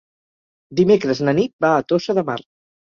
Dimecres na Nit va a Tossa de Mar.